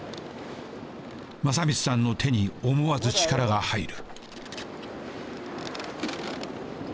正光さんの手に思わず力が入る。